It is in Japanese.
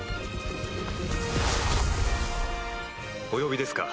お呼びですか？